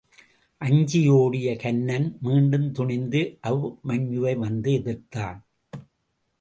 அஞ்சி ஒடிய கன்னன் மீண்டும் துணிந்து அபிமன்யுவை வந்து எதிர்த்தான்.